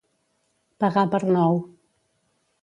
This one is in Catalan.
Pagar per nou.